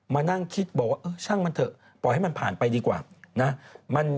มานั่งคิดบอกว่าเออช่างมันเถอะปล่อยให้มันผ่านไปดีกว่านะ